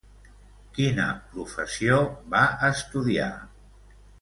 Quina professió va estudiar?